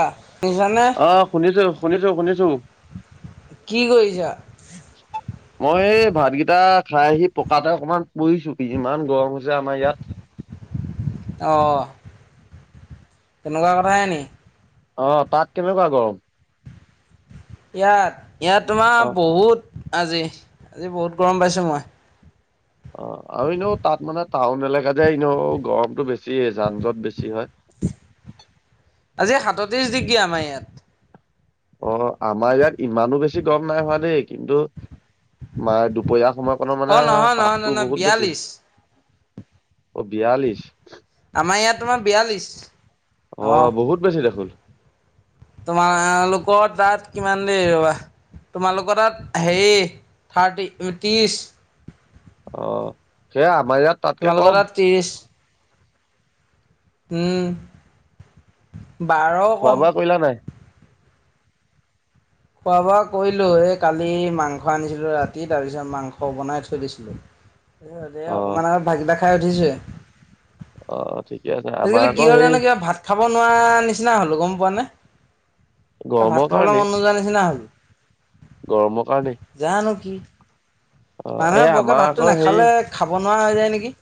শুনিছানে অহ, শুনিছো -শুনিছো -শুনিছো। কি কৰিছা? মই এই ভাতকেইটা খাই আহি পকাতে অকমান পৰিছো ইমান গৰম হৈছে আমাৰ ইয়াত। [inaudible] অ' তেনেকুৱা কথা হে নি। অহ, তাত কেনেকুৱা গৰম? ইয়াত -ইয়াত অ তোমাৰ বহুত আজি- আজি বহুত গৰম পাইছোঁ মই। অ', আৰু এনেও তাত মানে টাউন এলেকা যে এনেও গৰমটো বেছি যান জট বেছি হয়। [inaudible] আজি সাতত্ৰিশ ডিগ্ৰী আমাৰ ইয়াত। অ', আমাৰ ইয়াত ইমানো বেছি গম নাই হোৱা দেই কিন্তু, মা দুপৰীয়া সময়কণত মানে অ', নহয় নহয় নহয় তাপটো নহয় বহুত বেছি। বিয়াল্লিছ অহ, বিয়াল্লিশ। আমাৰ ইয়াত তোমাৰ বিয়াল্লিছ? অহ, অ', বহুত বেছি দেখোন? তোমালোকৰ তাত কিমান দেৰি ৰবা? তোমালোকৰ তাত হেৰি থাৰ্টি ত্ৰিছ। অহ, সেয়া আমাৰ ইয়াত তাতকে তোমালোকৰ কম। তাত ত্ৰিছ। উম, বাৰ খোৱা কম। বোৱা কৰিলা নাই খোৱা -বোৱা কৰিলোঁ এই কালি মাংস আনিছিলোঁ ৰাতি তাৰপিছত মাংস বনাই থৈ দিছিলোঁ। দে অ অকমান আগত ভাতকেইটা খাই উঠিছোঁ হে। অহ, ঠিক আজিকালি কিহৰ কাৰনে কিবা ভাত খ খাব নোৱাৰা নিচিনা হ'লো গম পোৱা নে, গৰমৰ ভাত খাবলৈ কাৰণেই মন নোযোৱা নিচিনা হ'লো। গৰমৰ কাৰণে মানুহে বৰকৈ আমাৰ ভাতটো আকৌ হেৰি নাখালে খাব নোৱাৰা হৈ যায় নেকি?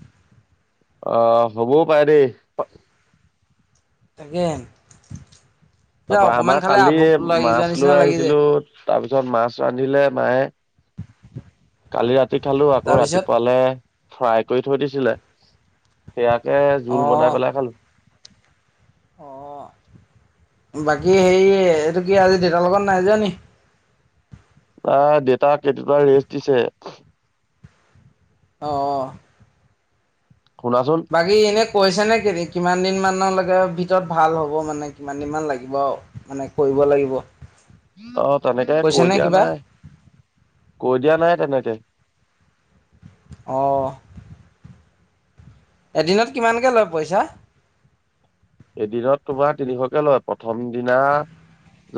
আহ, হ'বও পাৰে দেই। তাকে। কিবা টাৰপা অকমান আমাৰ খালে কালি আভোক লাগি মাছ যোৱা লৈ নিচিনা লাগি যায়। আহিছিলো তাৰপিছত মাছ ৰান্ধিলে মায়ে কালি ৰাতি খালো আকৌ তাৰপিছত ৰাতিপুৱালে ফ্ৰাই কৰি থৈ দিছিলে সেয়া কে জোল অ' বনাই পেলাই খালো। অ', বাকী হেৰি এইটো কি আজি দেউতাৰ লগত নাই যোৱা নি? ৱা দেতাক কেইদিনমান ৰেষ্ট দিছে। অ', - অ', শুনাচোন বাকী এনে কৈছে নে কিমান কি মানৰলৈকে ভিতৰত ভাল হ'ব মানে কিমান দিন মান লাগিব আৰু মানে কৰিব লাগিব অহ, তেনেকে কৈছে কৈ নে দিয়া কিবা? নাই কৈ দিয়া নাই তেনেকে অহ এদিনত কিমানকে লয় পইচা? এদিনত তোমাৰ তিনিশকে লয় প্ৰথম দিনা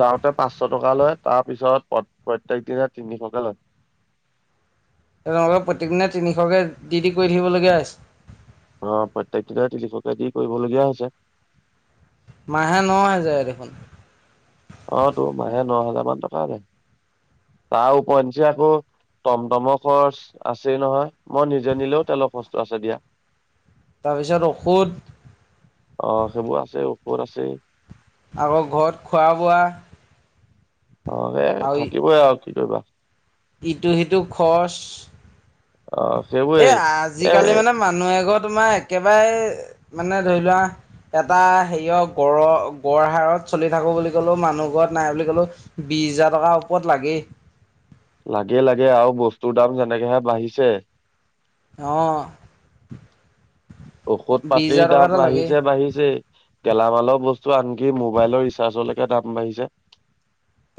যাওঁতে পাঁচশ টকা লয় তাৰ পিছত প্ৰত্যয়েক দিনে তিনিশকে লয়। [inaudible] তেওঁহ'লে প্ৰত্যেক দিনাই তিনিশকে দি- দি কৰি থাকিবলগীয়া হৈছে। অহ, প্ৰত্যেক দিনা তিনিশকে দি কৰিবলগীয়া হৈছে। মাহে ন' হেজাৰ দেখোন। এ ন' হাজাৰ মান টকায় যায় তাৰ উপৰঞ্চি আকৌ টমটমৰ খৰচ আছেই নহয়। মই নিজে নিলেও, তেলৰ খৰচটো আছে দিয়া। অ'! তাৰপিছত ঔষধ সেইবোৰ আছে, ঔষধ আছে। আকৌ, ঘৰত খোৱা বোৱা। অ'! সে আৰু থাকিবই আৰু কি কৰিবা। ইটো সিটো খৰচ অ এ, সেইবোৰেই এ আজিকালি মানে, মানুহ এঘৰ তোমাৰ একেবাৰে মানে, ধৰি লোৱা এটা হেৰিয় গঁড়ৰ গঁড় হাৰত চলি থাকোঁ বুলি ক'লেও মানুহ ঘৰত নাই বুলি ক'লেও বিশ হাজাৰ টকাৰ ওপৰত লাগে। লাগে, লাগে, আৰু বস্তুৰ দাম যেনেকেহে বাঢ়িছে। অ'! ঔষধ বিশ পাতিৰ হাজাৰ টকা দাম এটা লাগেই বাঢ়িছে, বাঢ়িছেই, গেলামালৰ বস্তু, আনকি মোবাইলৰ ৰিচাৰ্জলৈকে, দাম বাঢ়িছে।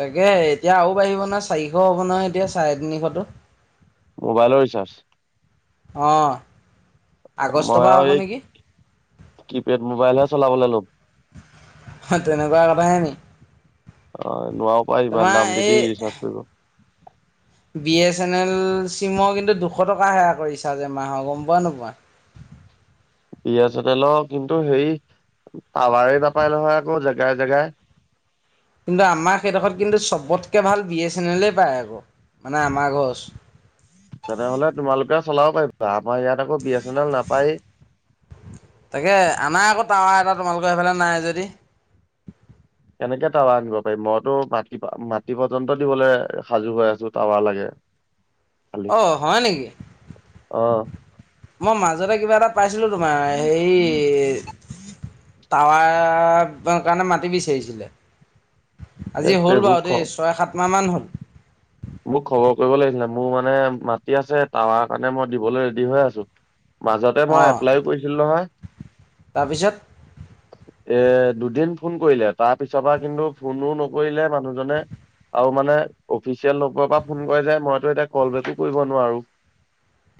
তাকে, এতিয়া আৰু বাঢ়িব নহয়, চাৰিশ হ'ব নহয় এতিয়া চাৰে তিনিশটো। মোবাইলৰ ৰিচাৰ্জ? অ আগষ্টৰ মই পৰা আৰু হ'ব এই নেকি কিপেড মোবাইলহে চলাবলৈ ল'ম। অ'! তেনেকুৱা কথা হে নি? অ'! নোৱাৰোঁ পাই ইমান তোমাৰ দাম দি এই দি ৰিচাৰ্জ কৰিব। বি এ চেনেল চিমৰ কিন্তু, দুশ টকাহে আকৌ, এমাহৰ ৰিচাৰ্জ। গম পোৱা নোপোৱা? বি এ চেনেলৰ কিন্তু, সেই টাৱাৰে নাপায় নহয় আকৌ, জেগাই জেগাই। কিন্তু, আমাৰ সেইডোখৰত কিন্তু, চবতকে ভাল বি এ চেনেলে পায় আকৌ। মানে, আমাৰ ঘৰ ওচ তেনেহ'লে, তোমালোকে চলাব পাৰিবা। আমাৰ ইয়াত আকৌ, বি এ চেনেল নাপায়ে। তাকে, আনা আকৌ টাৱা এটা তোমালোকৰ সেইফালে নাই যদি। কেনেকে টাৱাৰ আনিব পাৰিম। মইতো মাটি, মাটি পৰ্যন্ত দিবলৈ সাজু হৈ আছোঁ টাৱাৰ লাগে। [inaudible] অ'! হয় নেকি? অ মই মাজতে কিবা এটা পাইছিলোঁ তোমাৰ, হেৰি টাৱাৰ কাৰণে, মাটি বিচাৰিছিলে। আজি সেই হ'ল এইবোৰ বাৰু খ দেই ছয়, সাতমাহ মান হ'ল। মোক খবৰ কৰিব লাগিছিলে। মোৰ মানে, মাটি আছে, টাৱাৰ কাৰণে মই দিবলৈ ৰেডি হৈ আছোঁ। মাজতে অ মই এপ্লাইও কৰিছিলোঁ নহয়। তাৰপিছত এ দুদিন ফোন কৰিলে, তাৰপিছৰ পৰা কিন্তু, ফোনো নকৰিলে মানুহজনে আৰু মানে অফিচিয়েল লকৰ পৰা ফোন কৰে যে, মইতো এতিয়া ক'ল বেকো কৰিব নোৱাৰোঁ।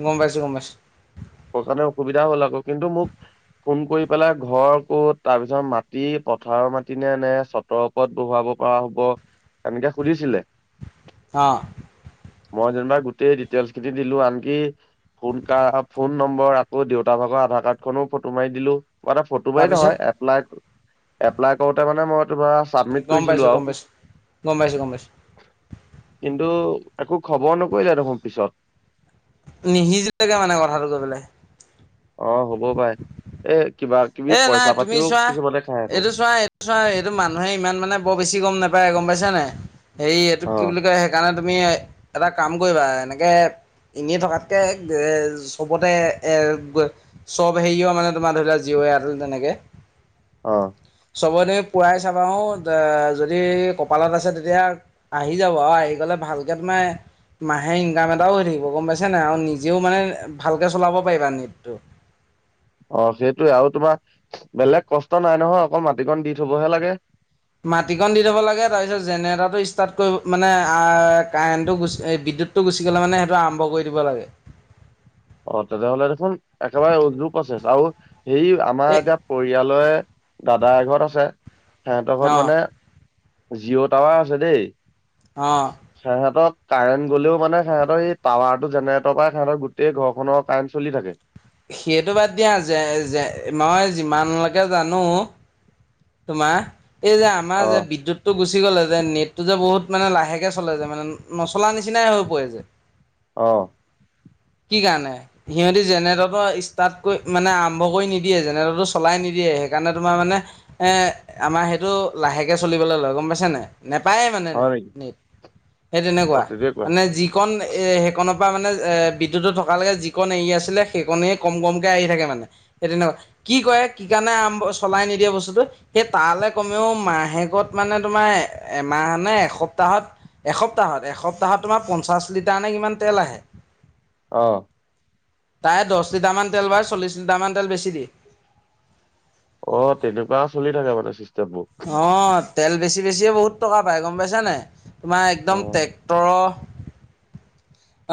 গম পাইছোঁ, গম পাইছোঁ। সুবিধা হ'ল আকৌ। কিন্তু, মোক ফোন কৰি পেলাই ঘৰ ক'ত? তাৰপিছত, মাটি পথাৰৰ মাটি নে, চতৰ ওপৰত বহুৱাব পৰা হ'ব তেনেকে সুধিছিলে। অ'! মই যেনিবা গোটেই ডিটেইলচ খিনি দিলোঁ। আনকি ফোন কাৰ, ফোন নম্বৰ আকৌ, দেউতা ভাগৰ আধাৰ কাৰ্ড খনো ফটো মাৰি দিলোঁ। মই এটা ফটো মাৰি তাৰপিছত নহয়। এপ্লাই, এপ্লাই কৰোঁতে মানে, মই তোমাৰ চাবমিট গম পাইছো কৰিছিলোঁ গম আৰু। পাইছো গম পাইছো গম পাইছো কিন্তু, একো খবৰ নকৰিলে দেখোন পিছত। নিসিজিলেগে মানে, কথাটো গৈ পেলাই। অ'! হ'ব পাৰে। এ, নাই। তুমি চোৱা, কিছুমানে খাই আকৌ এইটো চোৱা, এইটো চোৱা, এইটো মানুহে ইমান মানে, বৰ বেছি গম নাপায়। পাই গম পাইছা নাই? সেই এইটো অ কি বুলি কয়, সেইকাৰণে তুমি এটা কাম কৰিবা। এনেকে এনেই থকাতকে এ, চবতে এ, চব হেৰিও মানে তোমাৰ ধৰি লোৱা জিঅ' এয়াৰটেল তেনেকে অ চবতে পুৰাই চাবা যদি কপালত আছে তেতিয়া আহি যাব আৰু আহি গ'লে কেটনাই [unintelligible] মাহে ইনকাম এটাও আহি থাকিব গম পাইছা নাই আৰু নিজেও মানে ভালকে চলাব পাৰিবা নেটটো [unintelligible] [inaudible] অ সেইটোয়ে আৰু তোমাৰ বেলেগ কষ্ট নাই নহয় অকল মাটিকণ দি থবহে লাগে [unintelligible] মাটিকন দি থব লাগে তাৰপিছত জেনেৰেটাৰটো ষ্টাৰ্ট কৰিব মানে কাৰেণ্টটো গুচি বিদ্যুত টো গুচি গ'লে মানে সেইটো আৰম্ভ কৰি দিব লাগে [inaudible] অ তেনেহলে দেখোন একেবাৰে উজু প্ৰচেছ আৰু সেই আমাৰ এই এতিয়া পৰিয়ালে দাদাৰ এঘৰত আছে সিহঁতৰ ঘৰত অ', মানে জিঅ' টাৱাৰ আছে দেই অ'। সেহঁতৰ কাৰেন্ট গ'লেও মানে সেহঁতৰ এই টাৱাৰ টো জেনেৰেটৰ পৰা সিহঁতৰ গোটেই ঘৰখনৰ কাৰেণ্ট চলি থাকে সেইটো বাদ দিয়া যে মই যিমানলৈকে জানো তোমাৰ এই যে অ আমাৰ যে বিদ্যুতটো গুচি গল গুচি গলে যে নেটটো যে বহুত মানে লাহেকে চলে যে মানে নচলা নিচিনাই হৈ পৰে যে আহ কি কাৰণে সিহঁতি জেনেটৰটো ষ্টাৰ্ট কৰি মানে আৰম্ভ কৰি নিদিয়ে জেনেটৰটো চলাই নিদিয়ে। দিয়ে সেইকাৰণে তোমাৰ মানে এ আমাৰ সেইটো লাহেকে চলিবলৈ লয় গম পাইছা নে নেপায়েই মানে হয় নেকি নেট সেই তেনেকুৱা মানে যিকণ সেইকণত বা মানে এ থকা লৈকে যিখন এৰি আছিলে সেইকনেই কম কমকে আহি থাকে মানে সেই তেনেকুৱা কি কৰে কি কাৰণে আৰম চলাই নিদিয়ে বস্তুটো সেই তালৈ কমেও মাহেকত মানে তোমাৰ এমাহ নে এক সপ্তাহত এক সপ্তাহত তোমাৰ পঞ্চাছ লিটাৰনে কিমান তেল আহে। অ তাই দহ লিটাৰ মান তেল বা চল্লিশ লিটাৰ মান তেল বেছি দিয়ে অ তেনেকুৱা চলি থাকে মানে। চিষ্টেমবোৰ অ তেল বেছি বেছিয়ে বহুত টকা পায় গম পাইছা নাই তোমাৰ অ একদম ট্ৰেক্টৰৰ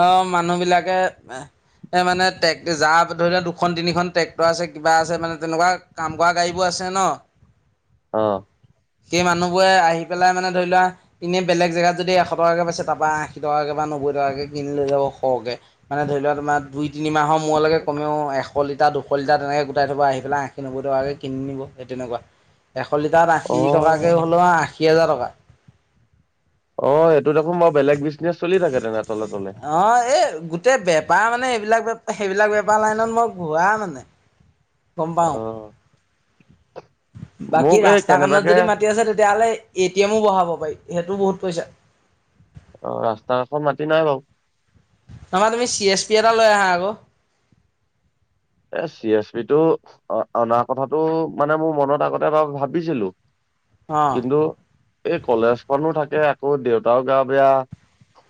অ মানুহ বিলাকে এ মানে ট্ৰেক্ যাৰ ধৰি লও দুখন তিনিখন ট্ৰেক্টৰ আছে কিবা আছে মানে তেনেকুৱা কাম কৰা গাড়ী বোৰ আছে ছে ন আহ সেই মানুহ বোৰে আহি পেলাই মানে ধৰি লোৱা এনে বেলেগ জেগাত যদি এশ টকাকে পাইছে তাৰপা আশী টকাকে বা [unintelligible] নব্বৈ টকাকে কিনি লৈ যাব খৰকে মানে ধ লোৱা তোমাৰ দুই তিনি মাহৰ মূৰলৈকে কমেও এশ লিটাৰ [unintelligible] লিটা দুশ লিটাৰ তেনেকে গোটাই থব আহি পেলাই আশীনব্বৈ টকাক কিন নিব সেই তেনেকুৱা [unintelligible] এশ লিটাৰত অ আশী টকাকৈ হ'লেও আশী হোজাৰ টকা অ সেইটো দেখোন মই বেলেগ বিজনেচ চলি থাকে তেনে তলে তলে অ এ গোটেই বেপ পাৰ মানে এইবিলাক ব সেইবিলাক বেপাৰ লাইনত মই ঘূৰা মানে গম অ পাঁও বাকী মোক এই ৰাস্তা কাৰণে কেনেবাকে যদি মাতি আছে তেতিয়াহ'লে এ টি এমো বঢ়াব পাৰি সেইটো বহুত পইচা অ ৰাস্তা কাষত মাতি নাই বাৰু আমাৰ তুমি চি এছ পি এটা লৈ আহা আকৌ এ চি এছ পি টো অনা কথাটো মানে মোৰ মনত আগতে বাৰু ভাবিছিলো অ কিন্তু এই কলেজ মানো থাকে ত দেউতাও গা বেয়া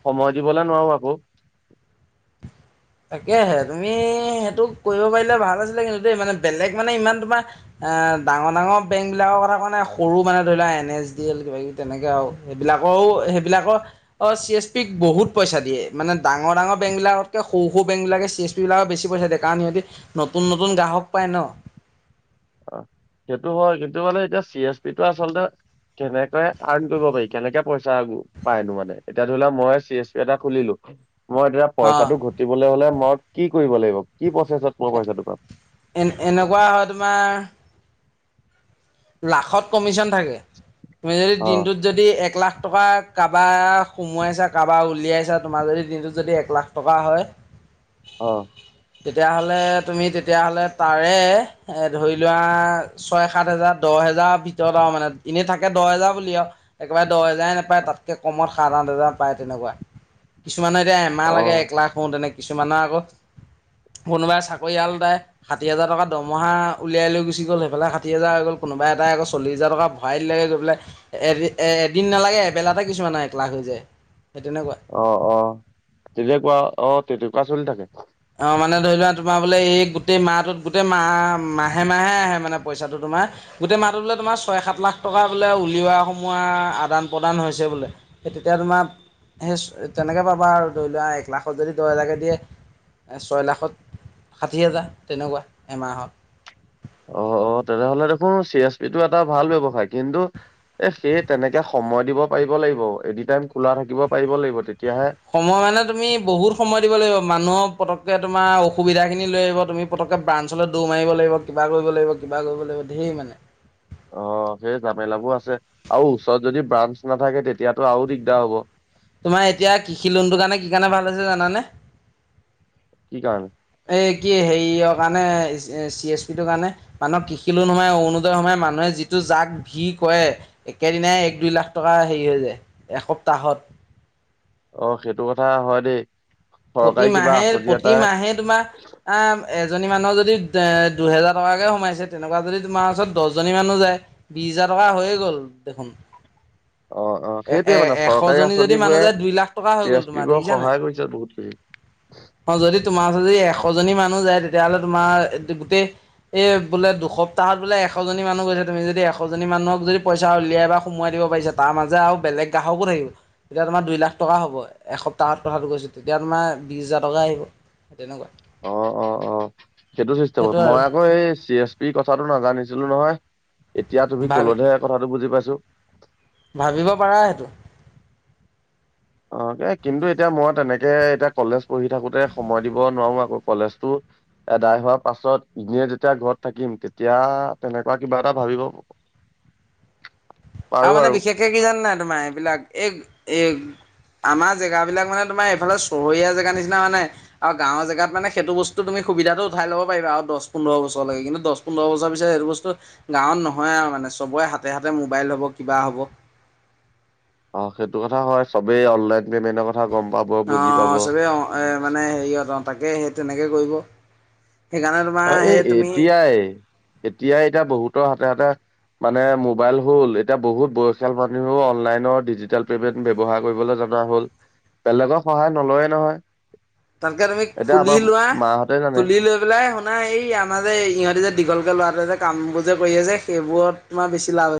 সময় দিবলৈ নোৱাৰো আকৌ [unintelligible] তাকেহে তুমি সেইটো কৰিব পাৰিলে ভাল আছিলে কিন্তু দেই মানে বেলেগ মানে ইমান তোমাৰ এ ডাঙৰ ডাঙৰ বেংক বিলাকৰ কথা মানে সৰু মানে ধৰি লোৱা এন এছ ডি এল কিবা কিবি তেনেকে আৰু এইবিলাক [unintelligible] আকৌ সেইবিলাকৰ অ চি এছ পিক বহুত পইচা দিয়ে মানে ডাঙৰ ডাঙৰ বেংক বিলাকতকে সৰু সৰু বেংকবিলাকে চি এছ পি বিলাকক বেছি পইচা দিয়ে কাৰণ সিহঁতি নতুন নতুন গ্ৰাহক পায় ন। অ সেইটো হয় কিন্তু মানে এতিয়া চি এছ পি টো আচলতে কেনেকে আৰ্ণ কৰিব পাৰি কেনেকে পইচা পায়নো এতে এতিয়া ধৰি লক মই চি এছ পি এটা খুলিলো মই এতিয়া অ পইচাটো ঘটিবলৈ হলে মই কি কৰিব লাগিব কি প্ৰচেছত মই পইচাটো পাম। এন এনেকুৱা হয় তোমাৰ লাখত কমিশ্যন থাকে তুমি যদি অ দিনটোত যদি এক লাখ টকা কাৰোবাৰ সোমোৱাইছা কাৰোবাৰ উলিয়াইছা তোমাৰ যদি দিনটোত যদি এক লাখ টকা হয় অ তেতিয়াহ'লে তুমি তেতিয়াহ'লে তাৰে ধৰি লোৱা ছয় সাত হেজাৰ দহ হেজাৰ ভিতৰত আৰু মানে এনেই থাকে দহ হেজাৰ বুলি আৰু একেবাৰে দহ হেজাৰ নাপায় তাতকে কমত সাত আঠ হাজাৰ পায় তেনেকুৱা কিছুমানে এতিয়া এমাহ অ লাগে এককলাখ হওঁ তেনেকে কিছুমানৰ আগত কোনোবাই চাকৰিয়ালটাই ষাঠি হাজাৰ টকা দৰমহা উলিয়াই লৈ গুচি গ'ল সেইফালে ষাঠি হাজাৰ হৈ গ'ল কোনোবা এটা আকৌ চল্লি হাজাৰ টকা ভৰাই দিলে গৈ পেলাই এদিন নালাগে এবেলাতে কিছুমানে এক লাখ যে অ অ তেনেকুৱা অ তেনেকুৱা চলি থাকে। অ মানে ধৰি লোৱা তোমাৰ বোলে এই গোটেই মাহটোত গোটেই মাহ মাহে মাহে আহে মানে পইচাটো তোমাৰ গোটেই মাহটো বোলে তোমাৰ ছয় সাত লাখ টকা বোলে উলিওৱা সোমোৱা আদান প্ৰদান হৈছে। সেই তেতিয়া তোমাৰ সেই তেনেকে পাবা আৰু ধৰি লোৱা এক লাখত যদি দহ হেজাৰকে দিয়ে। ছয় লাখত ষাঠি হাজাৰ তেনেকুৱা এমাহত। অ অ তেনেহ'লে দেখোন চি এছ পি টো এটা ভাল ব্যৱসায় কিন্তু এ সেই তেনেকে সময় দিব পাৰিব লাগিব এনি টাইম খোলা থাকিব পাৰিব লাগিব তে- সময় মানে তুমি বহুত সময় দিব লাগিব মানুহক পতকে তোমাৰ অসুবিধা খিনি লৈ আহিব তুমি পতকে ব্ৰাঞ্চলৈ দৌ মাৰিব লাগিবা কৰিব লাগিব কৰিব লাগিব ধেই মানে অ সেই জামেলাবোৰ আছে আৰু ওচৰত যদি ব্ৰাঞ্চ নাথাকে তেতিয়াতো আৰু দিগদাৰ হব। তোমাৰ এতিয়া কৃষি লোনটোৰ কাৰণে কি কাৰণে ভাল হৈছে জানানে কি কাৰণে কি হেৰিয়ৰ কাৰণে চি এছ পি তো কাৰণে মানুহক কৃষি লোন সোমাই অৰুণোদয়ৰ সোমাই মানুহে যিটো যাক ভিৰ কৰে একেদিনাই এক দুই লাখ টকা হেৰি হৈ যায় এসপ্তাহত। অ সেইটো কথা হয় দেই। চৰকাৰী কিবা প্ৰতিমাহে আঁচনি এটাই প্ৰতিমাহে তোমাৰ আ এ- এজনী মানুহৰ যদি দুহেজাৰ টকা কে সোমাইছে তেনেকুৱা যদি তোমাৰ ওচৰত দহ জনি মানুহ যায় বিছ হাজাৰ টকা হৈয়ে গ'ল দেখোন। [inaudible] অ অ এ এ সেইটোৱে মানে চৰকাৰী এশজনী যদি মানুহ আঁচনিবোৰে যায় দুই লাখ টকা হৈ চি গ'ল এছ পি তোমাৰ বোৰক দেখিছা নাই সহায় কৰিছে বহুত। [unintelligible] অ যদি তোমাৰ ওচৰত যদি এশজনী মানুহ যায় তেতিয়াহ'লে তোমাৰ গোটেই এই বোলে দুসপ্তাহত বোলে এশজনী মানুহ গৈছে তুমি যদি এশজনী মানুহক যদি পইচা উলিয়াই বা সোমাই দিব পাৰিছা তাৰ মাজে আৰু বেলেগ গ্ৰাহকো থাকিব তেতিয়া তোমাৰ দুই লাখ টকা হব এসপ্তাহত কথাটো কৈছো। তেতিয়া তোমাৰ বিছ হোজাৰ টকা আহিব। তেনেকুৱা অ অ অ সেইটো চিষ্টেমত সেইটোৱে মই আৰু আকৌ এই চি এছ পি কথাটো নাজানিছিলো নহয়। এতিয়া তুমি ভাবি কলতহে কথাটো বুজি পাইছো। ভাবিব পাৰা সেইটো। অ কিন্তু এতিয়া মই তেনেকে এতিয়া কলেজ পঢ়ি থাকোতে সময় দিব নোৱাৰো আকৌ কলেজতো এদাই হোৱাৰ পাছত ইনে যেতিয়া ঘৰত থাকিম তেতিয়া তেনেকুৱা কিবা এটা ভাবিব [inaudible] আৰু মানে বিশেষকে কি জান নাই তোমাৰ এইবিলাক এই এ [inaudible] আমাৰ জেগাবিলাক মানে তোমাৰ এইফালে চহৰীয়া জেগা নিচিনা মানে আৰু গাঁও জেগাত মানে সেইটো বস্তু তুমি সুবিধা সুবিধাটো উঠাই ল'ব পাৰিবা আৰু দহ পোন্ধৰ বছৰলৈকে কিন্তু দহ পোন্ধৰ বছৰ পিছত সেই বস্তু গাওঁত নহয় আৰু মানে চবৰে হাতে হাতে মোবাইল হ'ব কিবা হ'ব অ সেইটো কথা হয় চবেই অনলাইন পেমেন্টৰ কথা গম পাব অ বুজি পাব চবেই অ এ মানে হেৰি অত তাকে সেই তেনেকে কৰিব। সেইকাৰণে তোমাৰ অ এই সেই তুমি এতিয়াই এতিয়াই এতিয়া বহুতৰ হাতে হাতে মানে মোবাইল হ'ল এতিয়া বহুত বয়খিয়াল মানুহেও অনলাইনৰ ডিজিটেল পেমেন্ট ব্যৱহাৰ কৰিবলৈ জা- জনা হল বেলেগৰ সহায় নলয়ে নহয়। তাতকে তুমি এতিয়া খুলি আমাৰ লোৱা মাহঁতে জানে খুলি লৈ পেলাই শুনা এই আমাৰ যে ইহঁতি যে দীঘলকে ল'ৰাটোৱে যে কামবোৰ যে কৰি আছে সেইবোৰত তোমাৰ বেছি লাভ